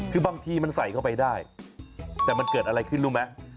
คือบางทีมันใส่เข้าไปได้แต่มันเกิดอะไรขึ้นรู้ไหม